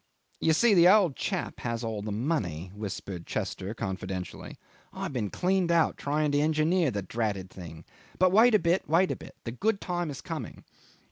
"You see, the old chap has all the money," whispered Chester confidentially. "I've been cleaned out trying to engineer the dratted thing. But wait a bit, wait a bit. The good time is coming."